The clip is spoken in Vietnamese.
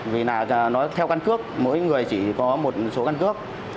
vì nó theo căn cước mỗi người chỉ có một số căn cước